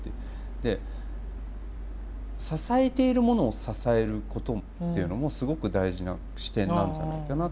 で支えているものを支えることっていうのもすごく大事な視点なんじゃないかなと思うんですよね。